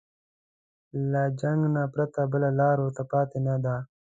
له جنګ نه پرته بله لاره ورته پاتې نه ده.